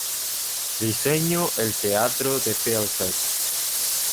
Diseño el teatro de Bielefeld.